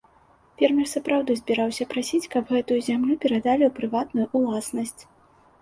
Фермер сапраўды збіраўся прасіць, каб гэтую зямлю перадалі ў прыватную ўласнасць.